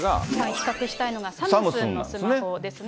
比較したいのがサムスンのスマホですね。